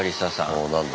おお何だ？